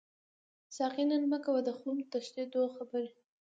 ساقي نن مه کوه د خُم د تشیدو خبري